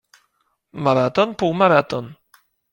Maraton, półmaraton.